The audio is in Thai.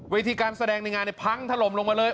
วิธีการแสดงในงานพังถล่มลงมาเลย